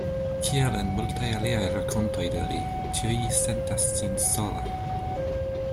Kiel en multaj aliaj rakontoj de li, ĉiuj sentas sin solaj.